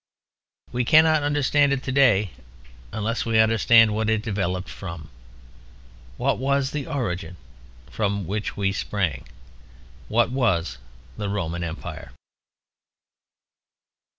We cannot understand it today unless we understand what it developed from. What was the origin from which we sprang? What was the Roman Empire?